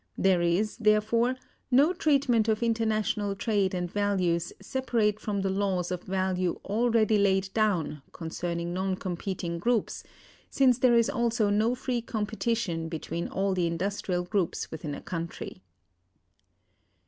There is, therefore, no treatment of international trade and values separate from the laws of value already laid down concerning non competing groups, since there is also no free competition between all the industrial groups within a country.